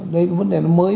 đây vấn đề nó mới